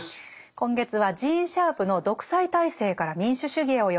今月はジーン・シャープの「独裁体制から民主主義へ」を読んでいます。